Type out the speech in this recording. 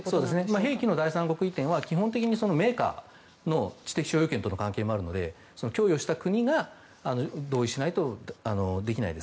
兵器の第三国への供与は基本的に、そのメーカーに知的所有権の関係もあるので供与した国が同意しないとできないです。